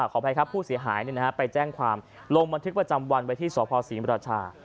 ขออภัยครับผู้เสียหายไปแจ้งความลงบันทึกประจำวันไว้ที่สภศรีมราชา